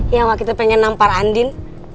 ya waktu kita pengen nampar andin